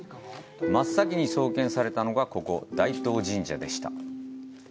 真っ先に創建されたのが、ここ、大東神社でした。